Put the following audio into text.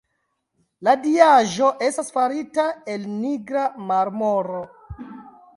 La diaĵo estas farita el nigra marmoro.